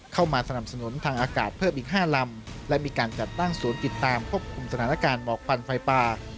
เข้ามาสนับสนุนทางอากาศเพิ่มอีก๕ลำและมีการจัดตั้งศูนย์ติดตามควบคุมสถานการณ์หมอกควันไฟป่า